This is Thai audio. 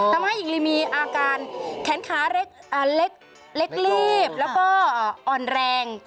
ทำให้หญิงลีมีอาการแขนขาเล็กลีบแล้วก็อ่อนแรง